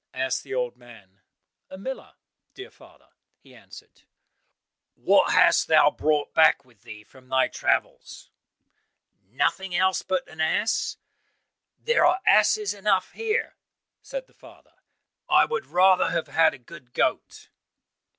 asked the old man. "A miller," dear father, he answered. "What hast thou brought back with thee from thy travels?" "Nothing else but an ass." "There are asses enough here," said the father, "I would rather have had a good goat."